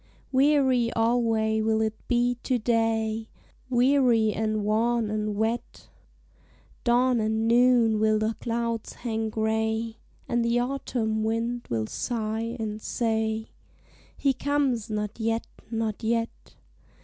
Weary alway will it be to day, Weary and wan and wet; Dawn and noon will the clouds hang gray, And the autumn wind will sigh and say, "_He comes not yet, not yet.